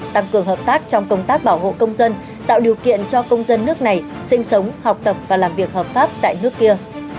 tăng cường hợp tác trong công tác bảo hộ công dân tạo điều kiện cho công dân nước này sinh sống học tập và làm việc hợp pháp tại nước kia